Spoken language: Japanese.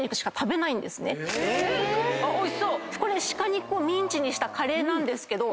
これシカ肉をミンチにしたカレーなんですけど。